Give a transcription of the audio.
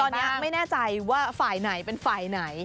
ตอนนี้ไม่แน่ใจว่าฝ่ายไหนเป็นฝ่ายไหน